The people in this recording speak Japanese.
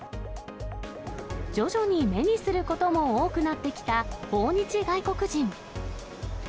徐々に目にすることも多くなってきた訪日外国人。